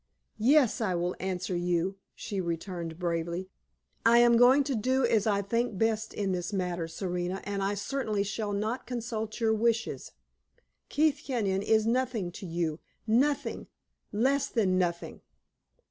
"Yes; I will answer you," she returned, bravely. "I am going to do as I think best in this matter, Serena; and I certainly shall not consult your wishes. Keith Kenyon is nothing to you nothing less than nothing!"